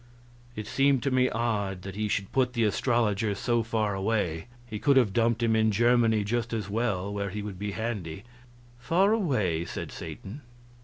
It seems to me odd that he should put the astrologer so far away; he could have dumped him in Germany just as well, where he would be handy. "Far away?" said Satan.